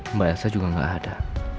mbak elsa juga nggak ada